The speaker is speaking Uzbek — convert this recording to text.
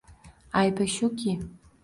Aybi shuki…